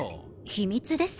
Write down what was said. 秘密です